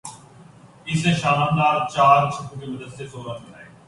اس نے چار شاندار چھکوں کی مدد سے سو رنز بنائے